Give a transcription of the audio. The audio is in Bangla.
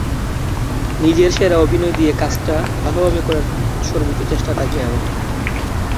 নিজের সেরা অভিনয় দিয়ে কাজটা ভালোভাবে করার সর্বোচ্চ চেষ্টা থাকবে আমার।